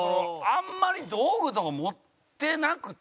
あんまり道具とか持ってなくて。